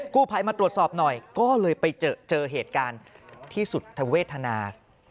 กู้ภัยมาตรวจสอบหน่อยก็เลยไปเจอเหตุการณ์ที่สุดธเวทนา